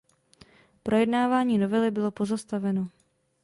Projednávání novely bylo pozastaveno.